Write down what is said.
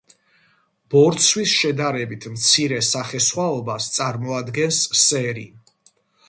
ბორცვის შედარებით მცირე სახესხვაობას წარმოადგენს სერი.